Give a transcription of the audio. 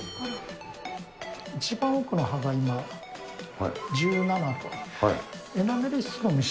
一番奥の歯が今、１７と。